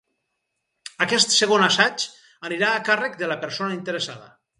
Aquest segon assaig anirà a càrrec de la persona interessada.